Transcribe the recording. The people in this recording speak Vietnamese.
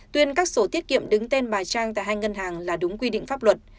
tuyên các sổ tiết kiệm đứng tên bà trang tại hai ngân hàng là đúng quy định pháp luật